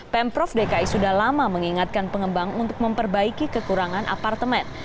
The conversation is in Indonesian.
pemprov dki sudah lama mengingatkan pengembang untuk memperbaiki kekurangan apartemen